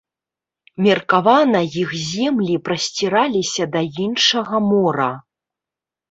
Меркавана іх землі прасціраліся да іншага мора.